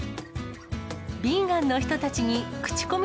ヴィーガンの人たちに口コミ